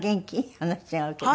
話違うけど。